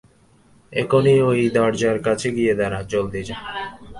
এখনি ওই দরজার কাছে গিয়ে দাঁড়া, জলদি যা!